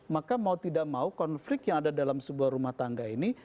maka mau tidak mau konflik yang ada dalam sebuah rumah tangga ini